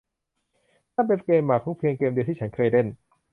นั่นเป็นเกมหมากรุกเพียงเกมเดียวที่ฉันเคยเล่น